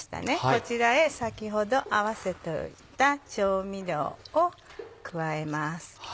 こちらへ先ほど合わせておいた調味料を加えます。